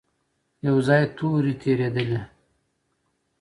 يو ځای تورې تېرېدلې.